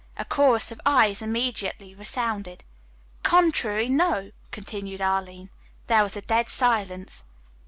A chorus of ayes immediately resounded. "Contrary, 'no,'" continued Arline. There was a dead silence.